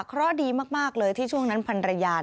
เพราะดีมากเลยที่ช่วงนั้นพันรยา